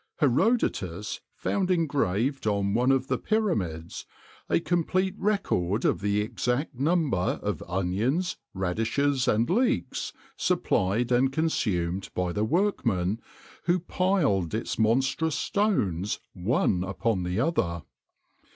Herodotus found engraved on one of the Pyramids a complete record of the exact number of onions, radishes and leeks supplied and consumed by the workmen who piled its monstrous stones one upon the other.